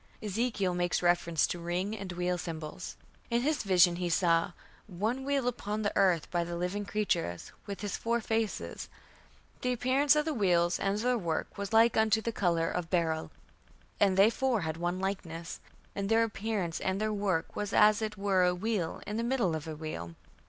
Ezekiel makes reference to "ring" and "wheel" symbols. In his vision he saw "one wheel upon the earth by the living creatures, with his four faces. The appearance of the wheels and their work was like unto the colour of beryl; and they four had one likeness; and their appearance and their work was as it were a wheel in the middle of a wheel....